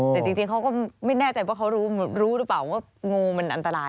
แต่จริงเขาก็ไม่แน่ใจว่าเขารู้หรือเปล่าว่างูมันอันตราย